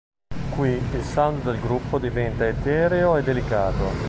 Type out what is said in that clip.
Qui, il sound del gruppo diventa etereo e delicato.